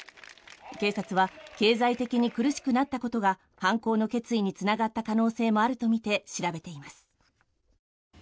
警察は経済的に苦しくなったことが犯行の決意につながった可能性もあるとみて調べています。